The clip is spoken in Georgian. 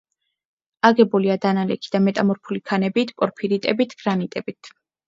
აგებულია დანალექი და მეტამორფული ქანებით, პორფირიტებით, გრანიტებით.